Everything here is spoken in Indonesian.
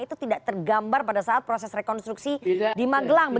itu tidak tergambar pada saat proses rekonstruksi di magelang